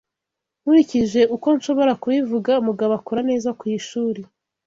Nkurikije uko nshobora kubivuga, Mugabo akora neza ku ishuri.